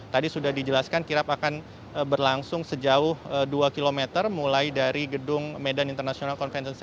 tadi sudah dijelaskan kirap akan berlangsung sejauh dua km mulai dari gedung medan international convention